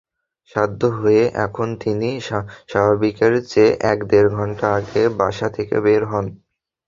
বাধ্য হয়ে এখন তিনি স্বাভাবিকের চেয়ে এক-দেড় ঘণ্টা আগে বাসা থেকে বের হন।